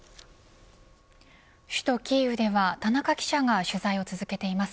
首都キーウでは田中記者が取材を続けています。